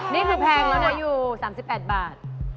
นี่คือแพงแล้วนะยู๓๘บาท